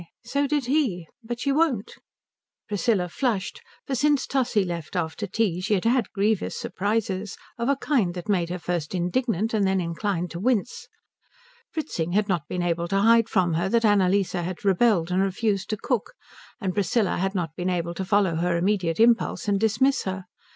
So did he. But she won't." Priscilla flushed, for since Tussie left after tea she had had grievous surprises, of a kind that made her first indignant and then inclined to wince. Fritzing had not been able to hide from her that Annalise had rebelled and refused to cook, and Priscilla had not been able to follow her immediate impulse and dismiss her.